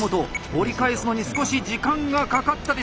折り返すのに少し時間がかかったでしょうか？